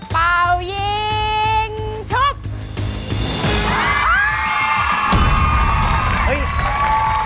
เป้ายิงสุป